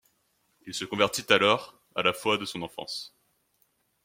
Il se convertit alors à la foi de son enfance.